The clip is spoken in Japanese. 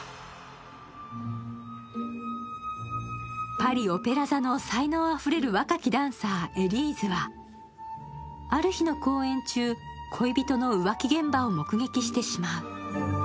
パリ・オペラ座の才能あふれる若きダンサー、エリーズはある日の公演中、恋人の浮気現場を目撃してしまう。